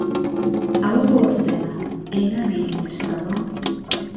ئەوە بوەستێنە! ئەی نابینی ترساوە؟